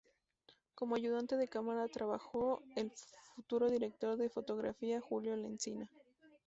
Como ayudante de cámara trabajó el futuro director de fotografía Julio Lencina.